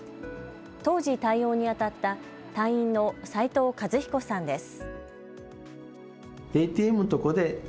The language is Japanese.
当時、対応にあたった隊員の齋藤和彦さんです。